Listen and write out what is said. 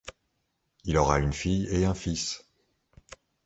Il aura une fille et un fils.